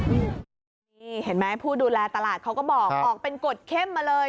นี่เห็นไหมผู้ดูแลตลาดเขาก็บอกออกเป็นกฎเข้มมาเลย